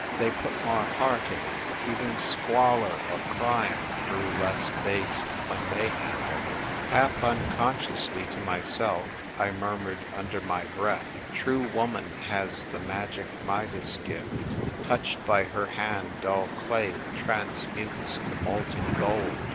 They put more heart in it. Even squalor or crime grew less base when they handled it. Half unconsciously to myself, I murmured under my breath, "True woman has the magic Midas gift ; Touched by her hand, dull clay transmutes to molten gold."